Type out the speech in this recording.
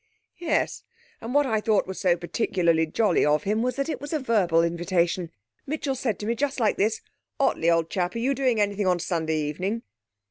'Yes, and what I thought was so particularly jolly of him was that it was a verbal invitation. Mitchell said to me, just like this, 'Ottley, old chap, are you doing anything on Sunday evening?''